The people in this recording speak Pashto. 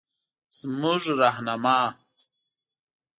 زمونره رهنما